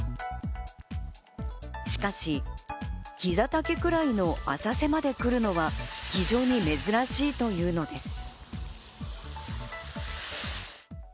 しかし、膝丈くらいの浅瀬まで来るのは非常に珍しいというのです。